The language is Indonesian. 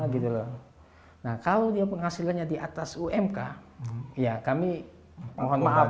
kalau penghasilannya di atas umk kami mohon maaf